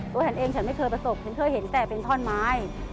ฉันเองฉันไม่เคยประสบฉันเคยเห็นแต่เป็นท่อนไม้